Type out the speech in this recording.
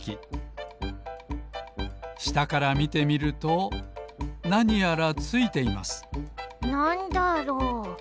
したからみてみるとなにやらついていますなんだろう？